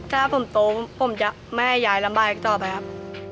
ถ้าผมโตผมจะไม่ให้ยายลำบากอีกต่อไปครับ